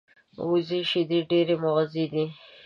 وزې شیدې ډېرې مغذي دي